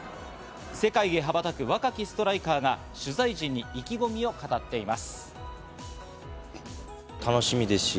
世界へ羽ばたく若きストライカーが取材陣に意気込みを語っています。